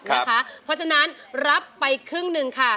เพราะฉะนั้นรับไปครึ่งหนึ่งค่ะ